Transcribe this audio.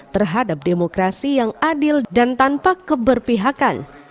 terhadap demokrasi yang adil dan tanpa keberpihakan